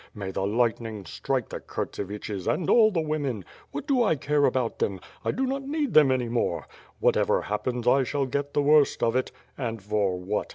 May the light ning strike the Kurtseviches, and all the women! What do I care about them? 1 do not need them any more! Whatever happens I shall get the worst of it. And for what?